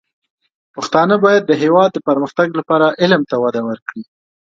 پښتانه بايد د هېواد د پرمختګ لپاره علم ته وده ورکړي.